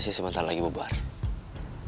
soalnya mereka lagi berantakan